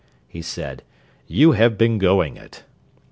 he said. "You have been going it!